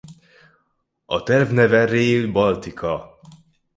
A terv neve Rail Baltica.